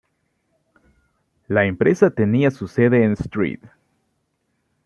La empresa tenía su sede en St.